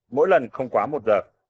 mỗi lần không quá một giờ